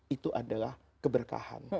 itu adalah keberkahan